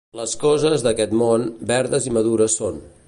Les coses d'aquest món, verdes i madures són.